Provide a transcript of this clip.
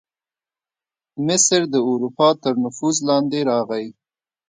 مصر د اروپا تر نفوذ لاندې راغی.